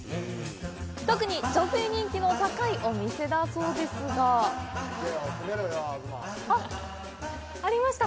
特に女性人気の高いお店だそうですがあっ、ありました。